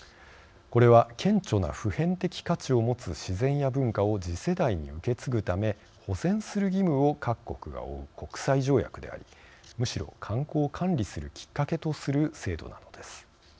これは、顕著な普遍的価値を持つ自然や文化を次世代に受け継ぐため保全する義務を各国が負う国際条約でありむしろ、観光を管理するきっかけとする制度なのです。